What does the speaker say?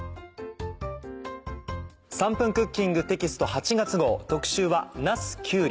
『３分クッキング』テキスト８月号特集は「なす・きゅうり」。